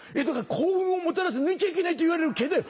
「幸運をもたらす抜いちゃいけないといわれる毛だよ。